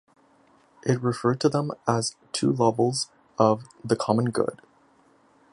It referred to them as "two levels" of the common good.